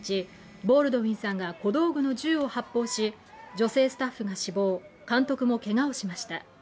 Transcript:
ボールドウィンさんが小道具の銃を発砲し女性スタッフが死亡監督もけがをしました